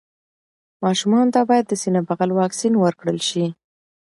ماشومانو ته باید د سینه بغل واکسين ورکړل شي.